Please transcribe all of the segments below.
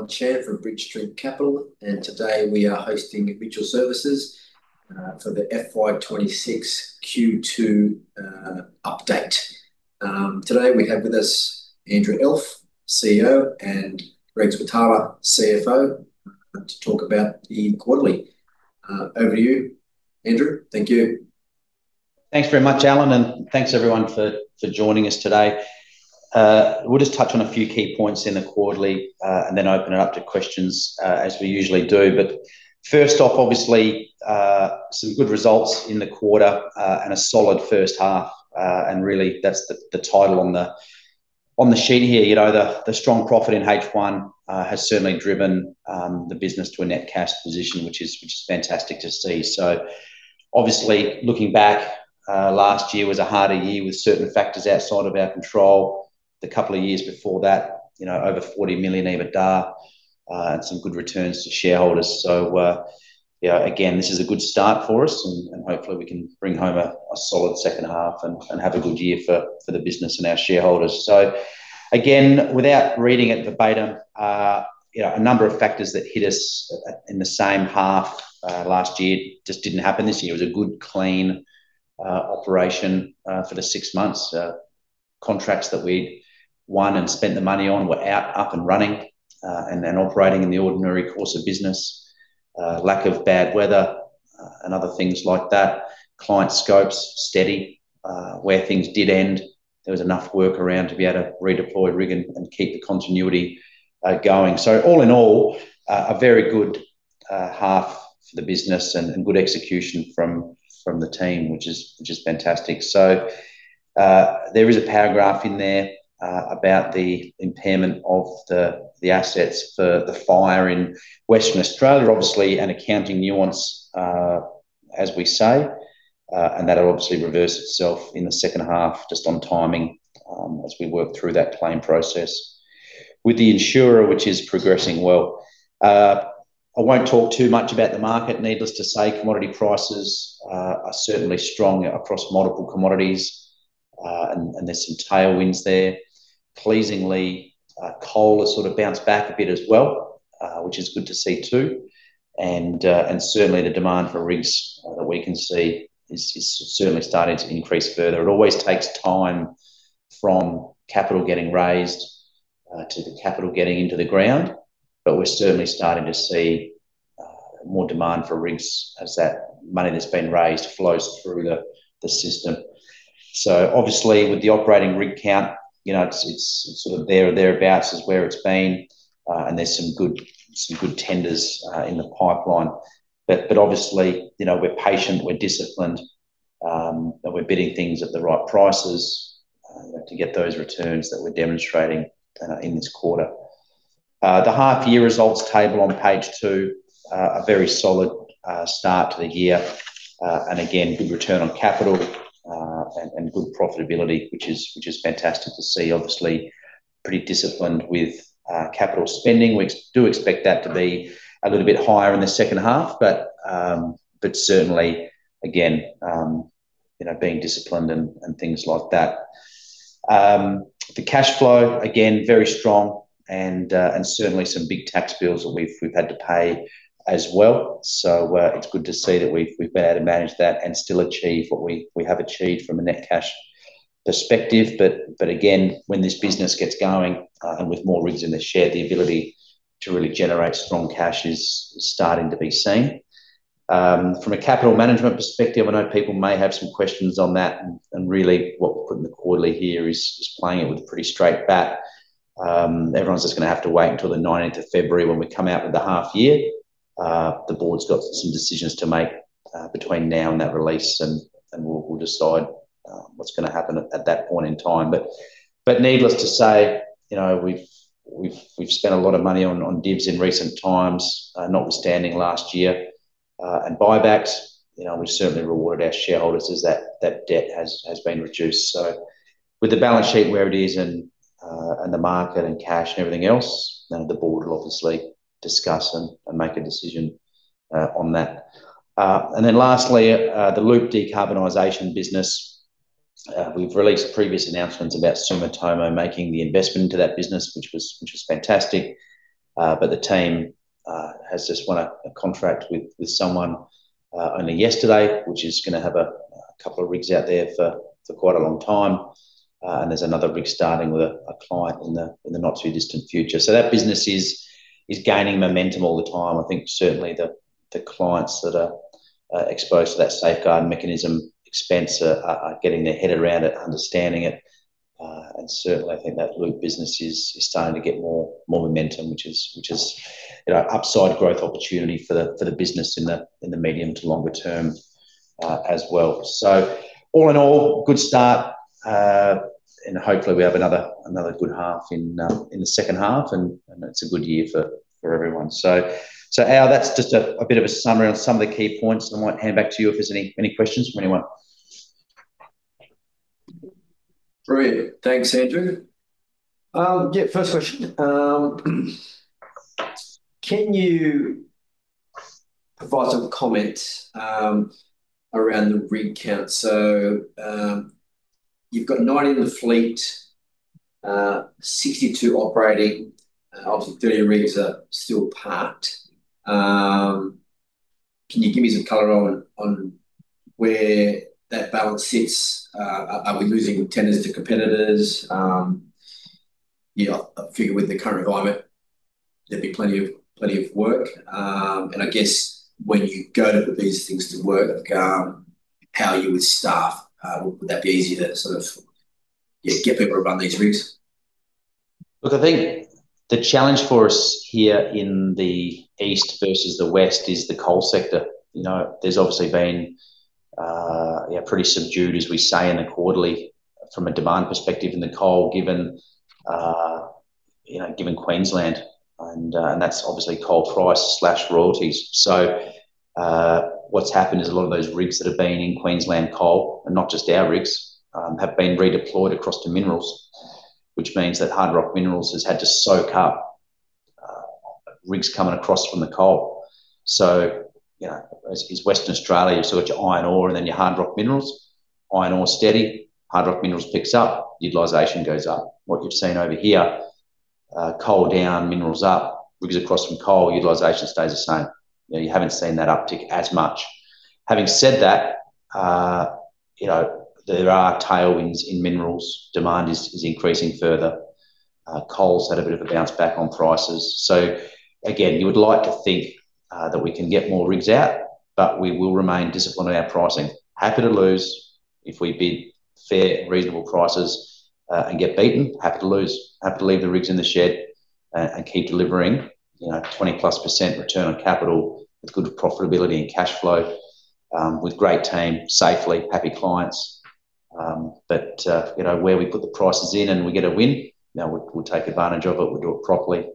I'm Chan from Bridge Street Capital, and today we are hosting Mitchell Services for the FY 2026 Q2 update. Today we have with us Andrew Elf, CEO, and Greg Switala, CFO, to talk about the quarterly. Over to you, Andrew. Thank you. Thanks very much, Allen, and thanks everyone for, for joining us today. We'll just touch on a few key points in the quarterly, and then open it up to questions, as we usually do. But first off, obviously, some good results in the quarter, and a solid first half, and really, that's the, the title on the, on the sheet here. You know, the, the strong profit in H1 has certainly driven the business to a net cash position, which is, which is fantastic to see. So obviously, looking back, last year was a harder year with certain factors outside of our control. The couple of years before that, you know, over 40 million EBITDA, and some good returns to shareholders. So, yeah, again, this is a good start for us, and hopefully we can bring home a solid second half and have a good year for the business and our shareholders. So again, without reading it, the better, you know, a number of factors that hit us in the same half last year just didn't happen this year. It was a good, clean operation for the six months. Contracts that we'd won and spent the money on were out, up and running, and then operating in the ordinary course of business. Lack of bad weather and other things like that. Client scopes, steady. Where things did end, there was enough work around to be able to redeploy rig and keep the continuity going. So all in all, a very good half for the business and good execution from the team, which is fantastic. So, there is a paragraph in there about the impairment of the assets for the fire in Western Australia. Obviously, an accounting nuance as we say, and that'll obviously reverse itself in the second half just on timing as we work through that claim process with the insurer, which is progressing well. I won't talk too much about the market. Needless to say, commodity prices are certainly strong across multiple commodities, and there's some tailwinds there. Pleasingly, coal has sort of bounced back a bit as well, which is good to see, too. And certainly the demand for rigs we can see is certainly starting to increase further. It always takes time from capital getting raised to the capital getting into the ground, but we're certainly starting to see more demand for rigs as that money that's been raised flows through the system. So obviously, with the operating rig count, you know, it's sort of there or thereabouts is where it's been, and there's some good tenders in the pipeline. But obviously, you know, we're patient, we're disciplined, and we're bidding things at the right prices to get those returns that we're demonstrating in this quarter. The half-year results table on page two, a very solid start to the year. And again, good return on capital, and good profitability, which is fantastic to see. Obviously, pretty disciplined with capital spending. We do expect that to be a little bit higher in the second half, but, but certainly again, you know, being disciplined and, and things like that. The cash flow, again, very strong and, and certainly some big tax bills that we've, we've had to pay as well. So, it's good to see that we've, we've been able to manage that and still achieve what we, we have achieved from a net cash perspective. But, but again, when this business gets going, and with more rigs in the share, the ability to really generate strong cash is starting to be seen. From a capital management perspective, I know people may have some questions on that, and really, what we've put in the quarterly here is just playing it with a pretty straight bat. Everyone's just gonna have to wait until the nineteenth of February when we come out with the half year. The board's got some decisions to make between now and that release, and we'll decide what's gonna happen at that point in time. But needless to say, you know, we've spent a lot of money on divs in recent times, notwithstanding last year, and buybacks. You know, we've certainly rewarded our shareholders as that debt has been reduced. So with the balance sheet where it is and the market and cash and everything else, then the board will obviously discuss and make a decision on that. And then lastly, the Loop decarbonization business. We've released previous announcements about Sumitomo making the investment into that business, which was fantastic. But the team has just won a contract with someone only yesterday, which is gonna have a couple of rigs out there for quite a long time. And there's another rig starting with a client in the not-too-distant future. So that business is gaining momentum all the time. I think certainly the clients that are exposed to that safeguard mechanism expense are getting their head around it, understanding it, and certainly, I think that Loop business is starting to get more momentum, which is, you know, upside growth opportunity for the business in the medium to longer term, as well. So all in all, good start, and hopefully, we have another good half in the second half, and it's a good year for everyone. So, Al, that's just a bit of a summary on some of the key points. I might hand back to you if there's any questions from anyone. Great. Thanks, Andrew. Yeah, first question. Can you provide some comment around the rig count. So, you've got nine in the fleet, 62 operating, obviously 30 rigs are still parked. Can you give me some color on where that balance sits? Are we losing tenders to competitors? You know, I figure with the current environment, there'd be plenty of work. And I guess when you go to put these things to work, how are you with staff? Would that be easy to sort of, yeah, get people to run these rigs? Look, I think the challenge for us here in the east versus the west is the coal sector. You know, there's obviously been pretty subdued, as we say in the quarterly, from a demand perspective in the coal, given you know Queensland, and that's obviously coal price slash royalties. So, what's happened is a lot of those rigs that have been in Queensland coal, and not just our rigs, have been redeployed across to minerals, which means that hard rock minerals has had to soak up rigs coming across from the coal. So, you know, as Western Australia, you've sort your iron ore and then your hard rock minerals. Iron ore steady, hard rock minerals picks up, utilization goes up. What you've seen over here, coal down, minerals up, rigs across from coal, utilization stays the same. You know, you haven't seen that uptick as much. Having said that, you know, there are tailwinds in minerals. Demand is increasing further. Coal's had a bit of a bounce back on prices. So again, you would like to think that we can get more rigs out, but we will remain disciplined in our pricing. Happy to lose if we bid fair and reasonable prices and get beaten. Happy to lose, happy to leave the rigs in the shed and keep delivering, you know, 20%+ return on capital with good profitability and cash flow with great team, safely, happy clients. But you know, where we put the prices in and we get a win, you know, we'll take advantage of it. We'll do it properly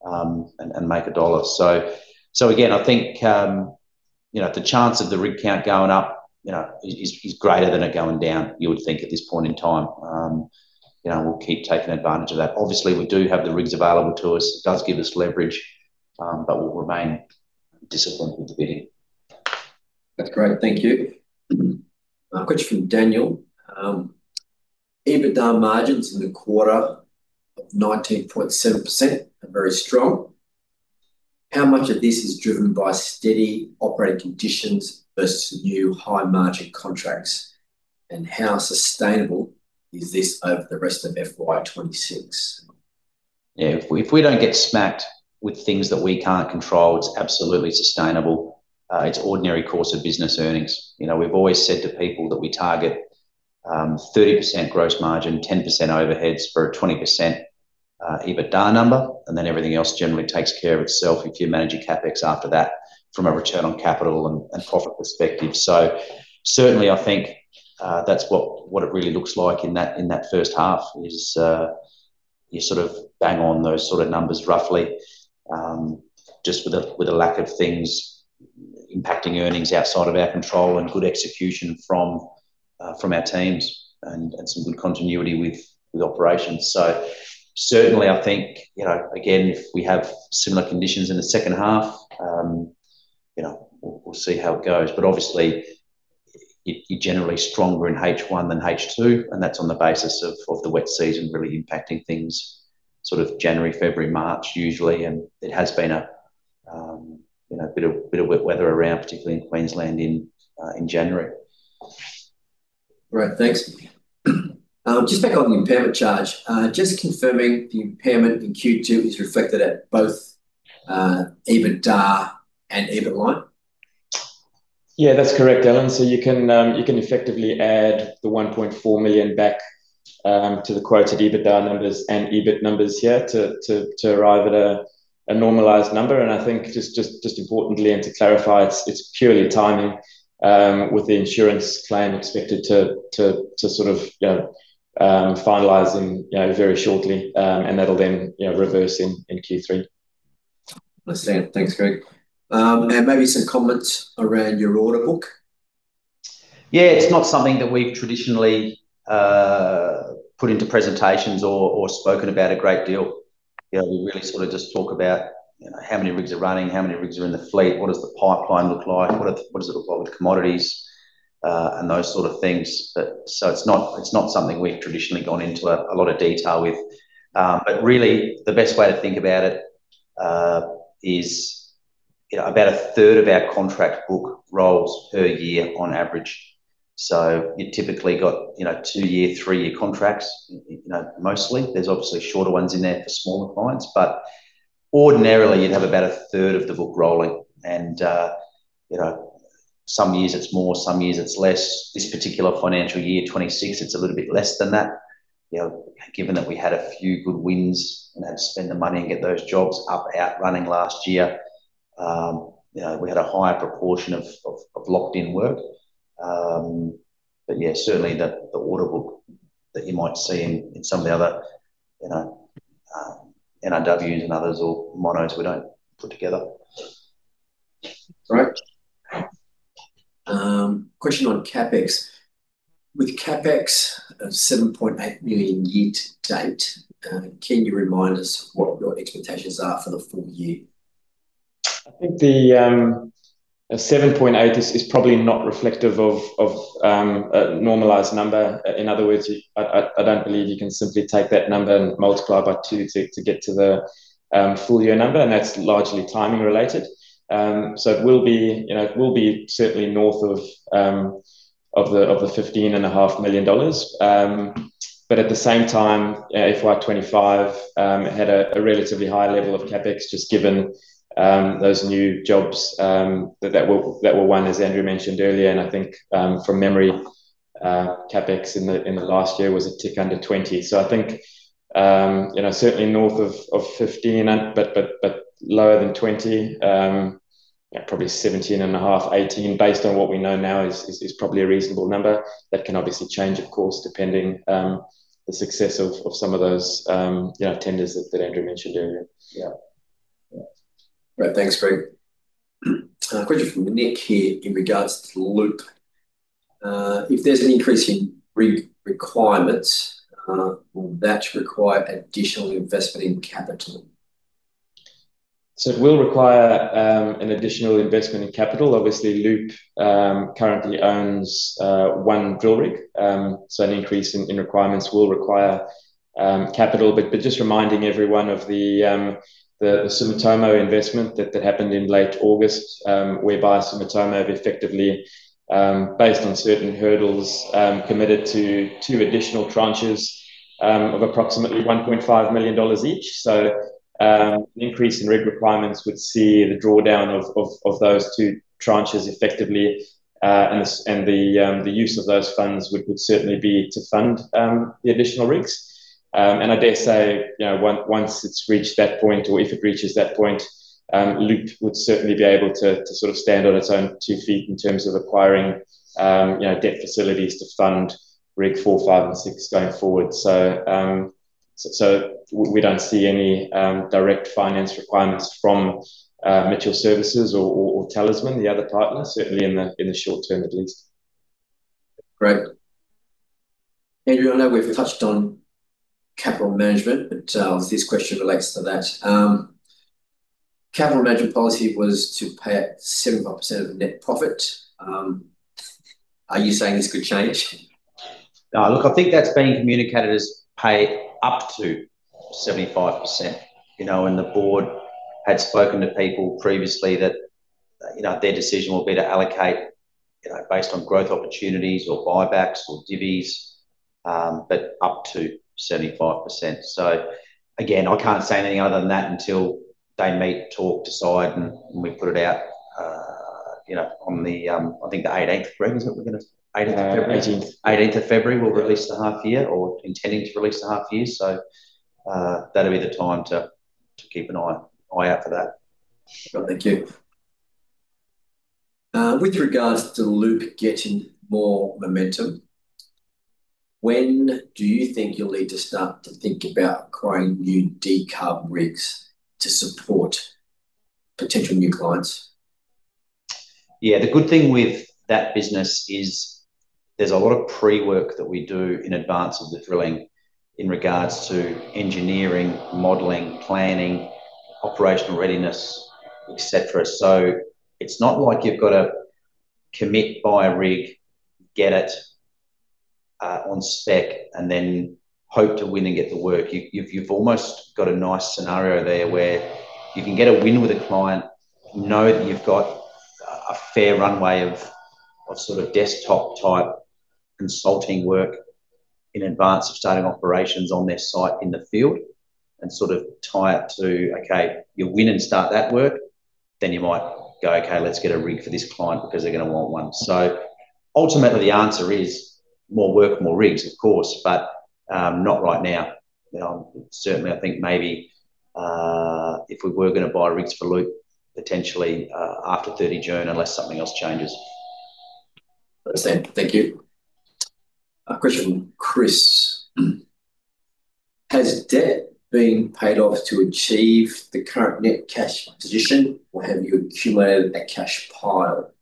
and make a dollar. So again, I think, you know, the chance of the rig count going up, you know, is greater than it going down, you would think at this point in time. You know, we'll keep taking advantage of that. Obviously, we do have the rigs available to us. It does give us leverage, but we'll remain disciplined with the bidding. That's great. Thank you. A question from Daniel. EBITDA margins in the quarter of 19.7% are very strong. How much of this is driven by steady operating conditions versus new high-margin contracts? And how sustainable is this over the rest of FY 2026? Yeah, if we don't get smacked with things that we can't control, it's absolutely sustainable. It's ordinary course of business earnings. You know, we've always said to people that we target 30% gross margin, 10% overheads for a 20% EBITDA number, and then everything else generally takes care of itself if you're managing CapEx after that from a return on capital and profit perspective. So certainly, I think that's what it really looks like in that first half is you sort of bang on those sort of numbers roughly, just with a lack of things impacting earnings outside of our control and good execution from our teams and some good continuity with operations. So certainly, I think, you know, again, if we have similar conditions in the second half, you know, we'll see how it goes. But obviously, you're generally stronger in H1 than H2, and that's on the basis of the wet season really impacting things, sort of January, February, March, usually, and it has been a, you know, a bit of wet weather around, particularly in Queensland in January. All right. Thanks. Just back on the impairment charge. Just confirming the impairment in Q2 is reflected at both EBITDA and EBIT line? Yeah, that's correct, Allen. So you can effectively add the 1.4 million back to the quoted EBITDA numbers and EBIT numbers here to arrive at a normalized number. And I think just importantly, and to clarify, it's purely timing with the insurance claim expected to sort of, you know, finalize and, you know, very shortly, and that'll then, you know, reverse in Q3. Understood. Thanks, Greg. Maybe some comments around your order book? Yeah, it's not something that we've traditionally put into presentations or spoken about a great deal. You know, we really sort of just talk about, you know, how many rigs are running, how many rigs are in the fleet, what does the pipeline look like, what does it look like with commodities, and those sort of things. But so it's not, it's not something we've traditionally gone into a lot of detail with. But really, the best way to think about it is, you know, about a third of our contract book rolls per year on average. So you typically got, you know, two-year, three-year contracts, you know, mostly. There's obviously shorter ones in there for smaller clients, but ordinarily, you'd have about a third of the book rolling. And, you know, some years it's more, some years it's less. This particular financial year 2026, it's a little bit less than that. You know, given that we had a few good wins and had to spend the money and get those jobs up and running last year, you know, we had a higher proportion of locked-in work. But yeah, certainly the order book that you might see in some of the other, you know, NRWs and others or Monos we don't put together. Great. Question on CapEx. With CapEx of 7.8 million year to date, can you remind us what your expectations are for the full year? I think the 7.8 million is probably not reflective of a normalized number. In other words, I don't believe you can simply take that number and multiply by two to get to the full year number, and that's largely timing related. So it will be, you know, it will be certainly north of the 15.5 million dollars. But at the same time, FY 2025 had a relatively high level of CapEx, just given those new jobs that were won, as Andrew mentioned earlier. And I think, from memory, CapEx in the last year was a tick under 20 million. I think, you know, certainly north of 15 million, but lower than 20 million, yeah, probably 17.5 million, 18 million, based on what we know now is probably a reasonable number. That can obviously change, of course, depending the success of some of those, you know, tenders that Andrew mentioned earlier. Yeah. Right. Thanks, Greg. A question from Nick here in regards to Loop. If there's an increase in requirements, will that require additional investment in capital? It will require an additional investment in capital. Obviously, Loop currently owns one drill rig. An increase in requirements will require capital. Just reminding everyone of the Sumitomo investment that happened in late August, whereby Sumitomo have effectively, based on certain hurdles, committed to two additional tranches of approximately 1.5 million dollars each. An increase in rig requirements would see the drawdown of those two tranches effectively, and the use of those funds would certainly be to fund the additional rigs. And I dare say, you know, once it's reached that point, or if it reaches that point, Loop would certainly be able to sort of stand on its own two feet in terms of acquiring, you know, debt facilities to fund rig four, five, and six going forward. So, so we don't see any direct finance requirements from Mitchell Services or Talisman, the other partners, certainly in the short term at least. Great. Andrew, I know we've touched on capital management, but this question relates to that. Capital management policy was to pay out 75% of the net profit. Are you saying this could change? No, look, I think that's been communicated as pay up to 75%, you know, and the board had spoken to people previously that, you know, their decision will be to allocate, you know, based on growth opportunities or buybacks or divvies, but up to 75%. So again, I can't say anything other than that until they meet, talk, decide, and we put it out, you know, on the, I think the eighteenth, Greg, is it we're gonna- 18th of February? 18th. 18th of February, we'll release the half year or intending to release the half year. So, that'll be the time to keep an eye out for that. Thank you. With regards to Loop getting more momentum, when do you think you'll need to start to think about acquiring new decarb rigs to support potential new clients? Yeah, the good thing with that business is there's a lot of pre-work that we do in advance of the drilling in regards to engineering, modeling, planning, operational readiness, et cetera. So it's not like you've got to commit, buy a rig, get it on spec, and then hope to win and get the work. You've almost got a nice scenario there where you can get a win with a client, know that you've got a fair runway of sort of desktop-type consulting work in advance of starting operations on their site in the field, and sort of tie it to, okay, you'll win and start that work, then you might go, "Okay, let's get a rig for this client because they're gonna want one." So ultimately, the answer is more work, more rigs, of course, but not right now. You know, certainly, I think maybe, if we were gonna buy rigs for Loop, potentially, after 30 June, unless something else changes. Understood. Thank you. A question from Chris. Has debt been paid off to achieve the current net cash position, or have you accumulated a cash pile?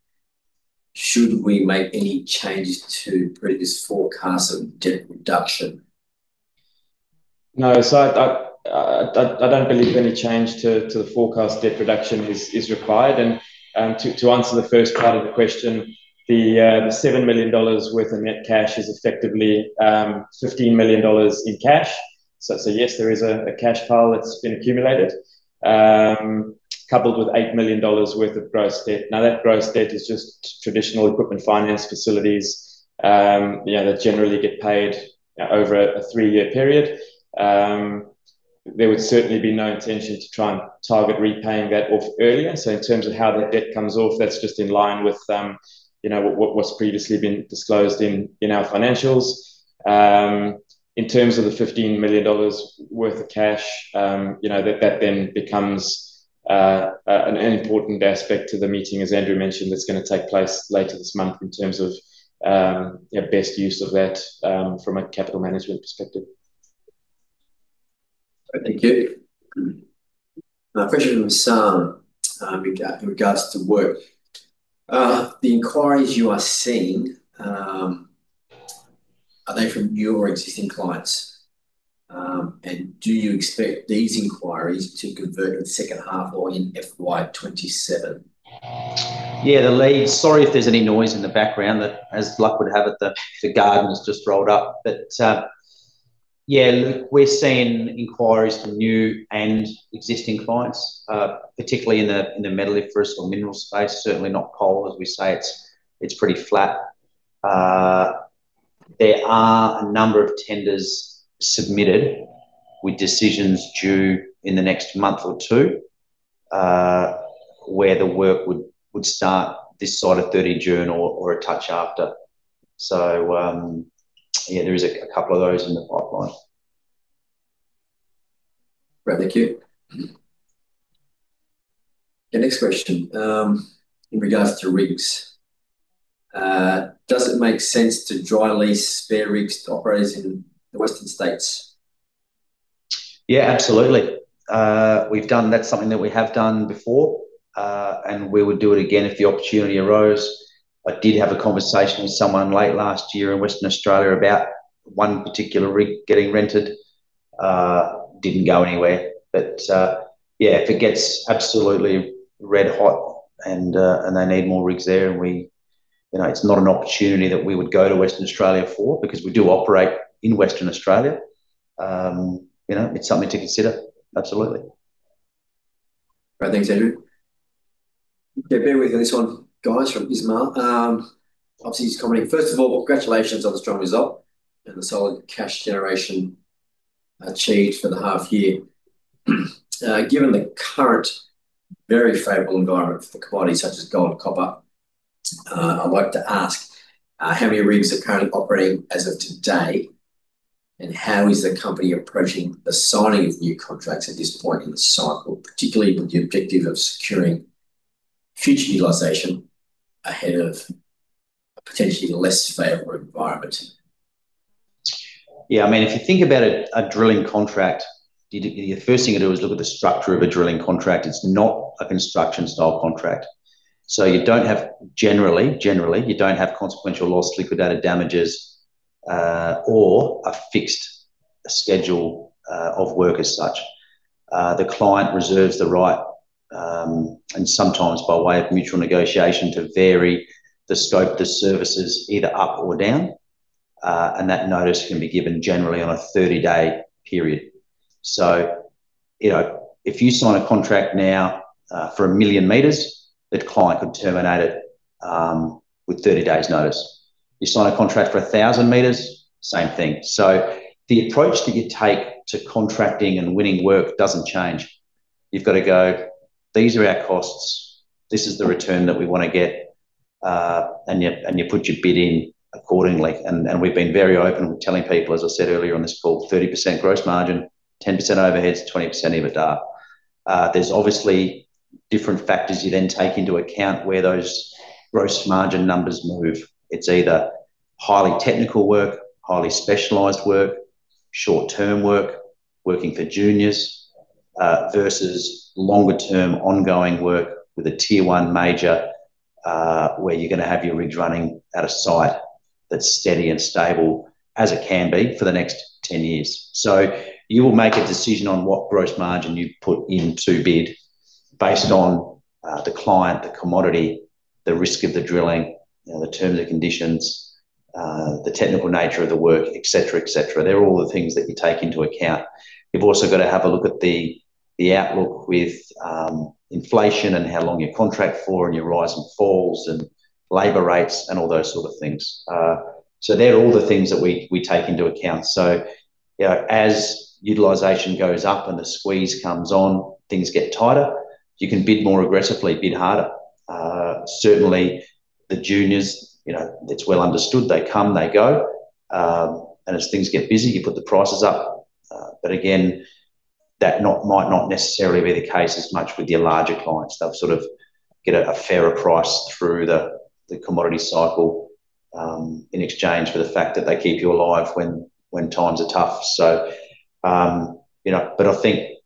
Should we make any changes to previous forecasts of debt reduction? No. So I don't believe any change to the forecast debt reduction is required. And to answer the first part of the question, the 7 million dollars worth of net cash is effectively 15 million dollars in cash. So yes, there is a cash pile that's been accumulated, coupled with 8 million dollars worth of gross debt. Now, that gross debt is just traditional equipment finance facilities, you know, that generally get paid over a three-year period. There would certainly be no intention to try and target repaying that off earlier. So in terms of how the debt comes off, that's just in line with, you know, what was previously been disclosed in our financials. In terms of the 15 million dollars worth of cash, you know, that then becomes an important aspect to the meeting, as Andrew mentioned, that's gonna take place later this month in terms of, you know, best use of that, from a capital management perspective.... Thank you. Now, a question from Sam, in regards to work. The inquiries you are seeing, are they from new or existing clients? And do you expect these inquiries to convert in the second half or in FY 2027? Yeah, the leads-- Sorry if there's any noise in the background, that as luck would have it, the gardener's just rolled up. But, yeah, look, we're seeing inquiries from new and existing clients, particularly in the metalliferous or mineral space. Certainly not coal, as we say, it's pretty flat. There are a number of tenders submitted with decisions due in the next month or two, where the work would start this side of 30 June or a touch after. So, yeah, there is a couple of those in the pipeline. Right. Thank you. The next question, in regards to rigs. Does it make sense to dry lease spare rigs to operators in the western states? Yeah, absolutely. That's something that we have done before, and we would do it again if the opportunity arose. I did have a conversation with someone late last year in Western Australia about one particular rig getting rented. Didn't go anywhere, but, yeah, if it gets absolutely red hot and they need more rigs there, you know, it's not an opportunity that we would go to Western Australia for, because we do operate in Western Australia. You know, it's something to consider. Absolutely. Right. Thanks, Andrew. Okay, bear with me on this one, guys, from Ismail. Obviously, he's commenting. First of all, congratulations on the strong result and the solid cash generation achieved for the half year. Given the current very favorable environment for the commodity such as gold, copper, I'd like to ask: How many rigs are currently operating as of today? And how is the company approaching the signing of new contracts at this point in the cycle, particularly with the objective of securing future utilization ahead of a potentially less favorable environment? Yeah, I mean, if you think about it, a drilling contract, the first thing you do is look at the structure of a drilling contract. It's not a construction-style contract. So you don't have, generally, you don't have consequential loss, liquidated damages, or a fixed schedule of work as such. The client reserves the right, and sometimes by way of mutual negotiation, to vary the scope, the services, either up or down, and that notice can be given generally on a 30-day period. So, you know, if you sign a contract now, for 1 million m, that client could terminate it, with 30 days notice. You sign a contract for 1,000 m, same thing. So the approach that you take to contracting and winning work doesn't change. You've got to go, "These are our costs. This is the return that we want to get," and you put your bid in accordingly. And we've been very open telling people, as I said earlier on this call, 30% gross margin, 10% overheads, 20% EBITDA. There's obviously different factors you then take into account where those gross margin numbers move. It's either highly technical work, highly specialized work, short-term work, working for juniors, versus longer-term ongoing work with a Tier One major, where you're gonna have your rigs running at a site that's steady and stable as it can be for the next 10 years. So you will make a decision on what gross margin you put in to bid based on, the client, the commodity, the risk of the drilling, you know, the terms and conditions, the technical nature of the work, et cetera, et cetera. They're all the things that you take into account. You've also got to have a look at the outlook with, inflation and how long you contract for, and your rise and falls, and labor rates, and all those sort of things. So they're all the things that we take into account. So, you know, as utilization goes up and the squeeze comes on, things get tighter. You can bid more aggressively, bid harder. Certainly, the juniors, you know, it's well understood, they come, they go. And as things get busy, you put the prices up. But again, that might not necessarily be the case as much with your larger clients. They'll sort of get a fairer price through the commodity cycle, in exchange for the fact that they keep you alive when times are tough. You know, but I think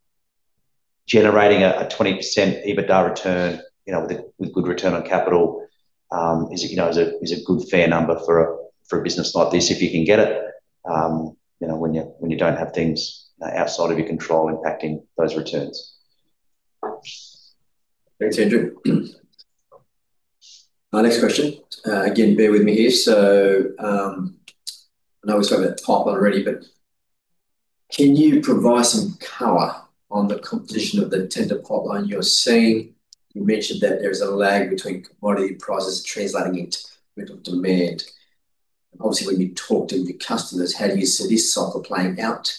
generating a 20% EBITDA return, you know, with good return on capital, you know, is a good fair number for a business like this, if you can get it. You know, when you don't have things outside of your control impacting those returns. Thanks, Andrew. Our next question, again, bear with me here. So, I know we sort of had a pipeline already, but can you provide some color on the composition of the tender pipeline you're seeing? You mentioned that there is a lag between commodity prices translating into demand. Obviously, when you talk to your customers, how do you see this cycle playing out?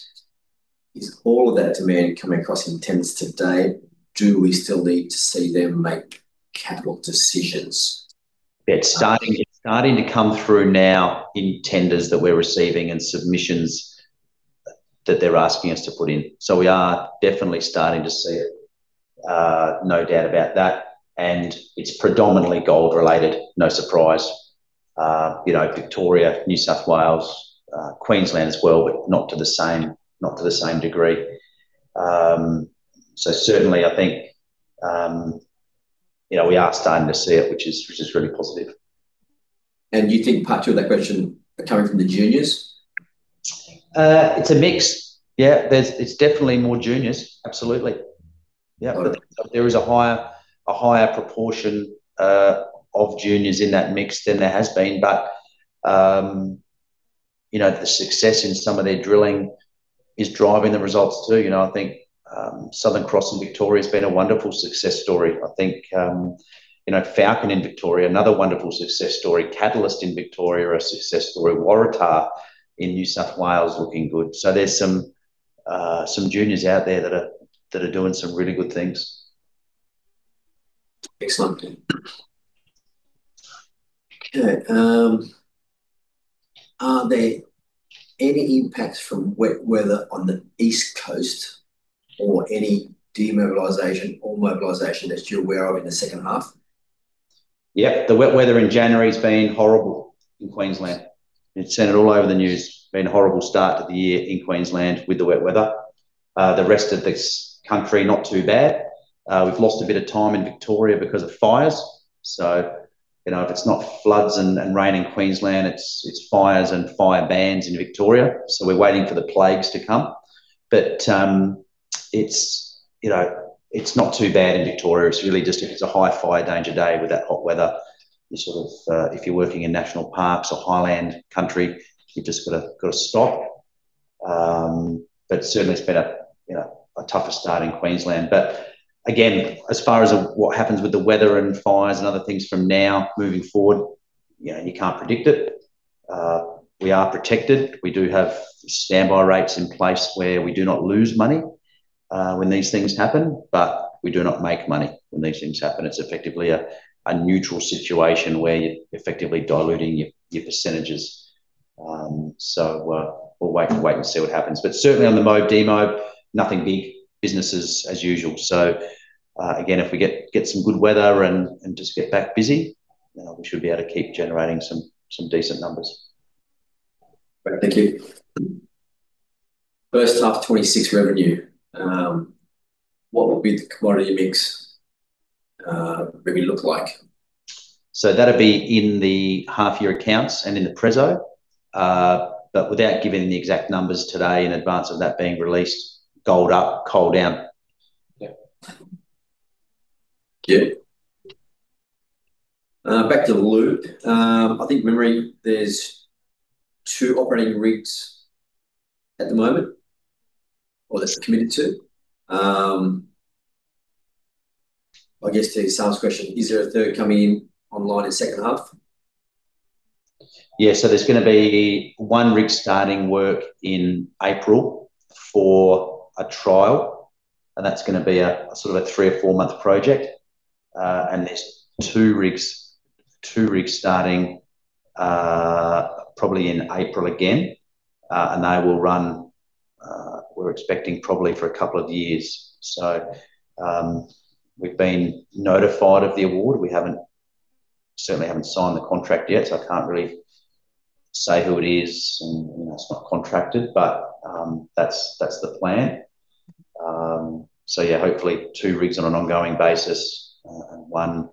Is all of that demand coming across in tenders today? Do we still need to see them make capital decisions? It's starting, it's starting to come through now in tenders that we're receiving and submissions that they're asking us to put in. So we are definitely starting to see it. No doubt about that. And it's predominantly gold-related, no surprise. You know, Victoria, New South Wales, Queensland as well, but not to the same, not to the same degree. So certainly I think, you know, we are starting to see it, which is really positive. Do you think part two of that question are coming from the juniors? It's a mix. Yeah, it's definitely more juniors. Absolutely. Yeah. Got it. There is a higher, a higher proportion of juniors in that mix than there has been, but, you know, the success in some of their drilling is driving the results, too. You know, I think, Southern Cross in Victoria has been a wonderful success story. I think, you know, Falcon in Victoria, another wonderful success story. Catalyst in Victoria are a success story. Waratah in New South Wales, looking good. So there's some, some juniors out there that are, that are doing some really good things. Excellent. Okay, are there any impacts from wet weather on the East Coast or any demobilization or mobilization that you're aware of in the second half? Yeah, the wet weather in January has been horrible in Queensland. It's been all over the news, been a horrible start to the year in Queensland with the wet weather. The rest of the country, not too bad. We've lost a bit of time in Victoria because of fires. So, you know, if it's not floods and rain in Queensland, it's fires and fire bans in Victoria, so we're waiting for the plagues to come. But, it's, you know, it's not too bad in Victoria. It's really just if it's a high fire danger day with that hot weather, you sort of, if you're working in national parks or highland country, you've just got to stop. But certainly it's been a, you know, a tougher start in Queensland. But again, as far as what happens with the weather and fires and other things from now moving forward, you know, you can't predict it. We are protected. We do have standby rates in place where we do not lose money when these things happen, but we do not make money when these things happen. It's effectively a neutral situation where you're effectively diluting your percentages. So, we'll wait and wait and see what happens. But certainly on the mob demo, nothing big, business as usual. So, again, if we get some good weather and just get back busy, we should be able to keep generating some decent numbers. Thank you. First half 2026 revenue, what would be the commodity mix, maybe look like? So that'd be in the half year accounts and in the preso. But without giving the exact numbers today in advance of that being released, gold up, coal down. Yeah. Yeah. Back to the Loop. I think memory, there's two operating rigs at the moment, or that's committed to. I guess, to Sam's question, is there a third coming in online in second half? Yeah. So there's gonna be 1 rig starting work in April for a trial, and that's gonna be a sort of a three or four-month project. And there's two rigs, two rigs starting, probably in April again, and they will run, we're expecting probably for a couple of years. So, we've been notified of the award. We haven't certainly haven't signed the contract yet, so I can't really say who it is, and, you know, it's not contracted, but, that's the plan. So yeah, hopefully two rigs on an ongoing basis, and one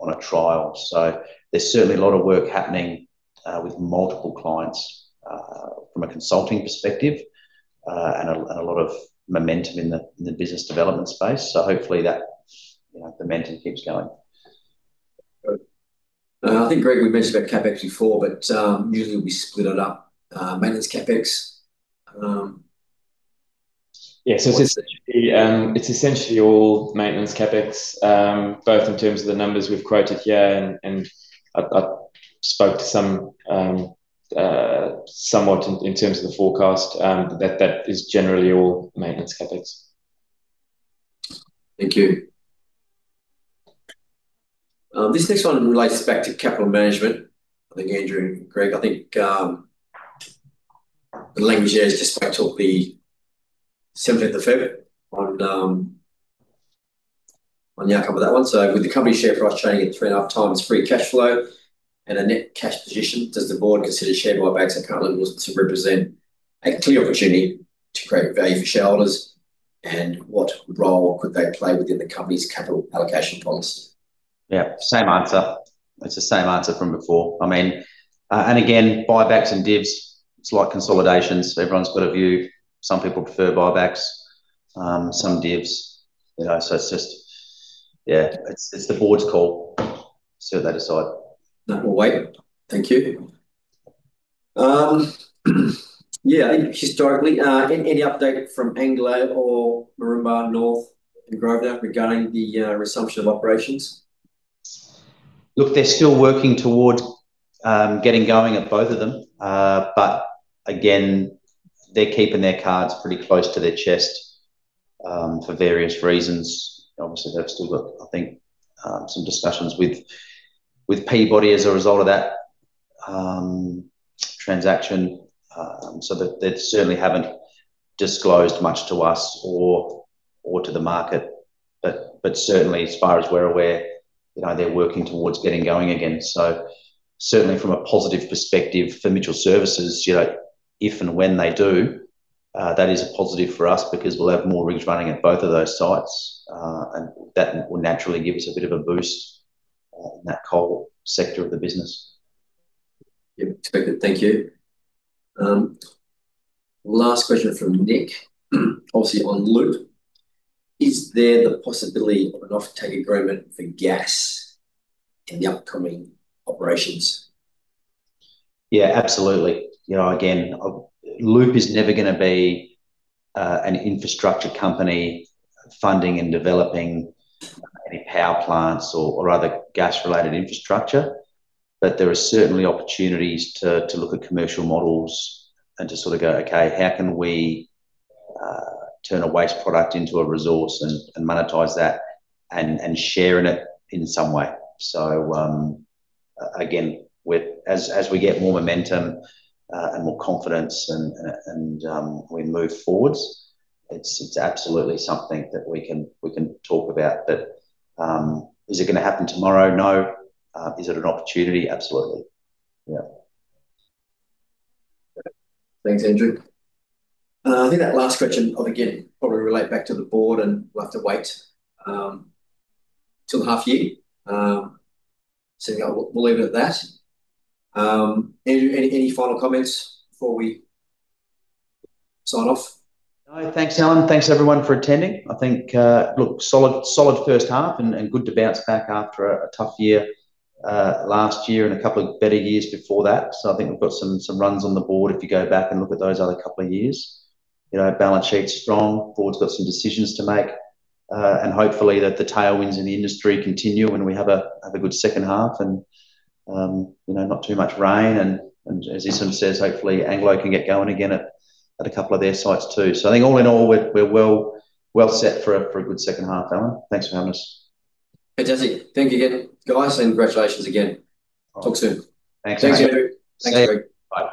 on a trial. So there's certainly a lot of work happening, with multiple clients, from a consulting perspective, and a lot of momentum in the business development space. So hopefully that, you know, momentum keeps going. Good. I think, Greg, we mentioned about CapEx before, but usually we split it up, maintenance CapEx. Yeah. So it's essentially, it's essentially all maintenance CapEx, both in terms of the numbers we've quoted here, and I spoke to some somewhat in terms of the forecast, that is generally all maintenance CapEx. Thank you. This next one relates back to capital management. I think Andrew and Greg, I think, the language here is just back to the 17th of February on the outcome of that one. So with the company share price trading at 3.5x free cash flow and a net cash position, does the board consider share buybacks and currently to represent a clear opportunity to create value for shareholders? And what role could they play within the company's capital allocation policy? Yeah, same answer. It's the same answer from before. I mean, and again, buybacks and divs, it's like consolidations. Everyone's got a view. Some people prefer buybacks, some divs, you know, so it's just... Yeah, it's the board's call. See what they decide. No, we'll wait. Thank you. Yeah, historically, any update from Anglo or Moranbah North and Grosvenor regarding the resumption of operations? Look, they're still working toward getting going at both of them. But again, they're keeping their cards pretty close to their chest for various reasons. Obviously, they've still got, I think, some discussions with Peabody as a result of that transaction. So they certainly haven't disclosed much to us or to the market. But certainly as far as we're aware, you know, they're working toward getting going again. So certainly from a positive perspective for Mitchell Services, you know, if and when they do, that is a positive for us because we'll have more rigs running at both of those sites. And that will naturally give us a bit of a boost in that coal sector of the business. Yep. Expect it. Thank you. Last question from Nick, obviously on Loop. Is there the possibility of an offtake agreement for gas in the upcoming operations? Yeah, absolutely. You know, again, Loop is never gonna be an infrastructure company funding and developing any power plants or other gas-related infrastructure. But there are certainly opportunities to look at commercial models and to sort of go, "Okay, how can we turn a waste product into a resource and monetize that, and sharing it in some way?" So, again, as we get more momentum and more confidence and we move forwards, it's absolutely something that we can talk about. But, is it gonna happen tomorrow? No. Is it an opportunity? Absolutely. Yeah. Thanks, Andrew. I think that last question, I'll again, probably relate back to the board, and we'll have to wait till the half year. So yeah, we'll leave it at that. Any final comments before we sign off? No, thanks, Allen. Thanks everyone for attending. I think, look, solid, solid first half and good to bounce back after a tough year last year and a couple of better years before that. So I think we've got some runs on the board if you go back and look at those other couple of years. You know, balance sheet's strong, board's got some decisions to make, and hopefully that the tailwinds in the industry continue, and we have a good second half and, you know, not too much rain. And as Essam says, hopefully Anglo can get going again at a couple of their sites too. So I think all in all, we're well set for a good second half, Allen. Thanks for having us. Fantastic. Thank you again, guys, and congratulations again. Talk soon. Thanks. Thanks, Andrew. Thanks, Greg. Bye.